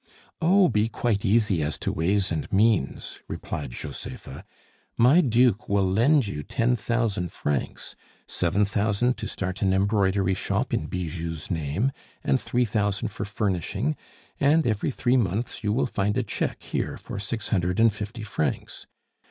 "Oh! be quite easy as to ways and means," replied Josepha. "My Duke will lend you ten thousand francs; seven thousand to start an embroidery shop in Bijou's name, and three thousand for furnishing; and every three months you will find a cheque here for six hundred and fifty francs.